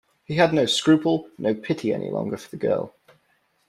He had no scruple, no pity any longer for the girl.